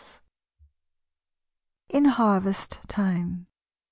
IN HARVEST TIME.